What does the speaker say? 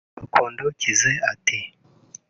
Bakundukize ati